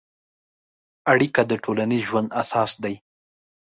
اړیکه د ټولنیز ژوند اساس دی.